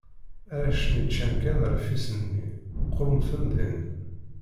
Arrac-nni ččan kan rfis-nni, qrumten din.